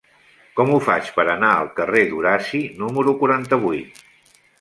Com ho faig per anar al carrer d'Horaci número quaranta-vuit?